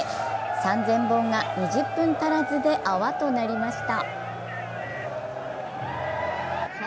３０００本が２０分足らずで泡となりました。